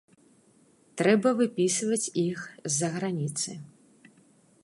Трэба выпісваць іх з-за граніцы.